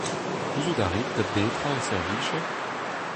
Gouzout a rit da betra e servije ?